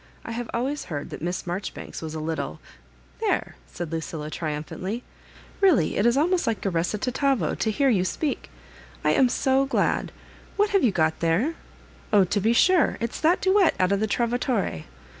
I have alwajrs beard that Miss Marjoribanks was a little "♦* There I" said Lacill% triumphantly; "really it is almost like a recitativo to hear you speak. I am so glad. What have you got there? Oh, to be sure, if s thai duet out of the Trovatore.